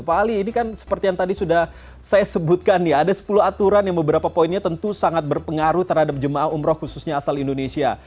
pak ali ini kan seperti yang tadi sudah saya sebutkan ya ada sepuluh aturan yang beberapa poinnya tentu sangat berpengaruh terhadap jemaah umroh khususnya asal indonesia